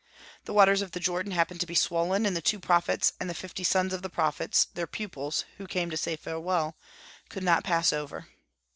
The waters of the Jordan happened to be swollen, and the two prophets, and the fifty sons of the prophets their pupils, who came to say farewell could not pass over.